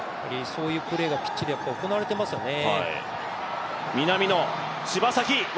そういうプレーがピッチで行われてますよね。